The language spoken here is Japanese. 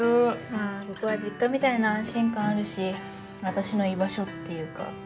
まあここは実家みたいな安心感あるし私の居場所っていうか。